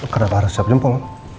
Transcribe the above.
kenapa harus cap jempol